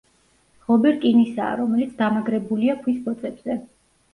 ღობე რკინისაა, რომელიც დამაგრებულია ქვის ბოძებზე.